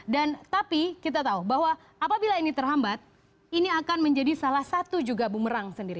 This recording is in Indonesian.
dan tapi kita tahu bahwa apabila ini terhambat ini akan menjadi salah satu juga bumerang sendiri